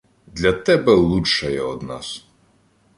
Для тебе лучшая од нас.